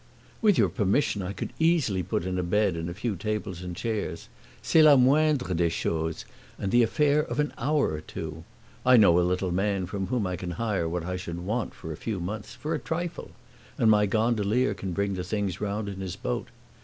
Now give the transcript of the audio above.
"With your permission, I could easily put in a bed and a few tables and chairs. C'est la moindre des choses and the affair of an hour or two. I know a little man from whom I can hire what I should want for a few months, for a trifle, and my gondolier can bring the things round in his boat.